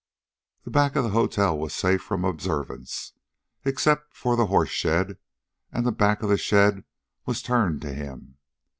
The back of the hotel was safe from observance, except for the horse shed, and the back of the shed was turned to him.